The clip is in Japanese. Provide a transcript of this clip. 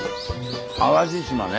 淡路島ね